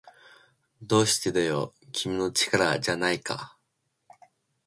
どうしてだよ、君の力じゃないか